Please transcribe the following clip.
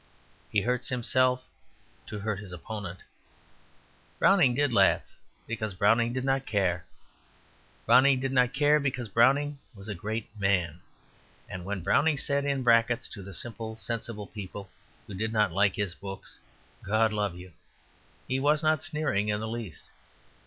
He hurts himself to hurt his opponent. Browning did laugh, because Browning did not care; Browning did not care, because Browning was a great man. And when Browning said in brackets to the simple, sensible people who did not like his books, "God love you!" he was not sneering in the least.